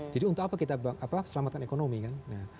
jadi untuk apa kita selamatkan ekonomi kan